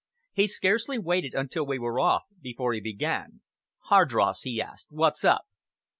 He scarcely waited until we were off before he began. "Hardross!" he asked, "what's up?"